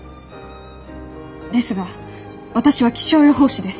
ですが私は気象予報士です。